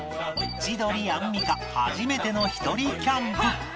千鳥アンミカ初めてのひとりキャンプ